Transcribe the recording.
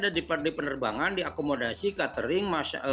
ada di penerbangan di akomodasi catering masjid